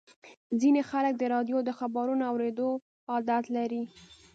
ځینې خلک د راډیو د خبرونو اورېدو عادت لري.